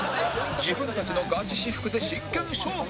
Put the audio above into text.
自分たちのガチ私服で真剣勝負